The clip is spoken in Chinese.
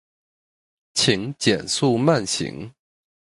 请减速慢行